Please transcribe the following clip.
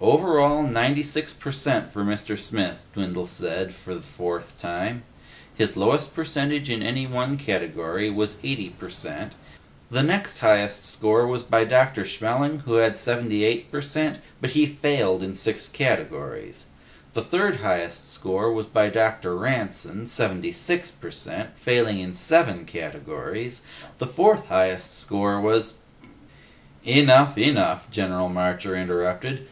"Over all, ninety six per cent for Mr. Smith," Dwindle said for the fourth time. "His lowest percentage in any one category was eighty per cent. The next highest score was by Dr. Schmelling, who had seventy eight per cent, but he failed in six categories. The third highest score was by Dr. Ranson, seventy six per cent, failing in seven categories. The fourth highest score was " "Enough. Enough," General Marcher interrupted.